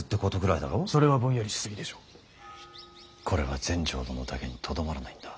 これは全成殿だけにとどまらないんだ。